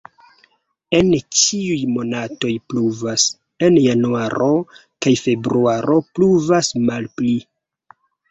En ĉiuj monatoj pluvas, en januaro kaj februaro pluvas malpli.